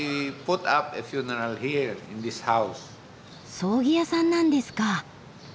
葬儀屋さんなんですか。